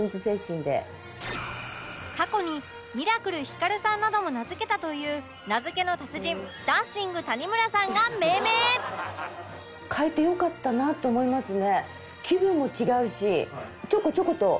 過去にミラクルひかるさんなども名付けたという名付けの達人ダンシング☆谷村さんが命名おかげさまで。